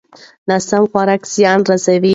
ناسم خوراک زیان رسوي.